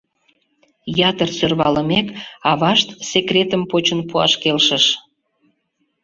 Ятыр сӧрвалымек, авашт секретым почын пуаш келшыш.